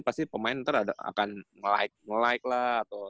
pasti pemain ntar akan nge like lah atau